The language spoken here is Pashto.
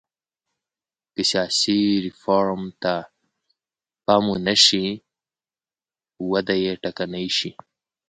که سیاسي ریفورم ته پام ونه شي وده یې ټکنۍ شي.